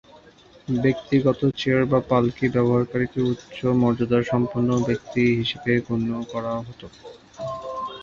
ব্যক্তিগত চেয়ার বা পালকি ব্যবহারকারীকে উচ্চ মর্যাদাসম্পন্ন ব্যক্তি হিসেবে গণ্য করা হতো।